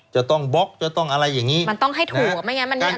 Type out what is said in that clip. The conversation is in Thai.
จะต้องบ๊อกจะต้องอะไรอย่างงี้มันต้องให้ถั่วไม่งั้นมันมีอันตราย